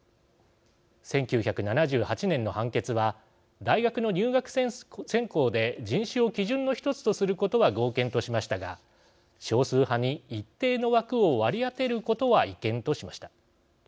１９７８年の判決は大学の入学選考で人種を基準の１つとすることは合憲としましたが少数派に一定の枠を割り当てることは違憲としました。